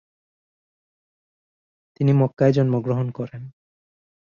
তিনি মক্কায় জন্মগ্রহণ করে।